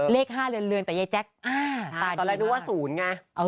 เลข๕เรือนแต่ยายแจ๊คตอนแรกนึกว่า๐ไง